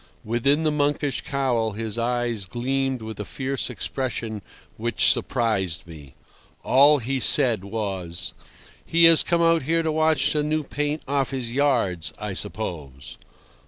Within the monkish cowl his eyes gleamed with a fierce expression which surprised me. All he said was: "He has come out here to wash the new paint off his yards, I suppose."